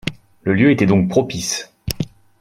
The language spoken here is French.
Le lieu était donc propice.